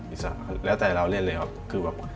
อิสระถึงเล่นแล้วแต่เราเล่นเลยก็คือ